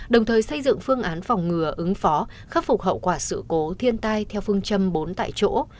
đồng thời xây dựng phương án phòng ngừa ứng phó khắc phục hậu quả sự cố thiên tai theo phương châm bốn tại chỗ